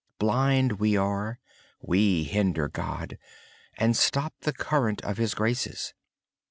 Blind as we are, we hinder God, and stop the current of His graces.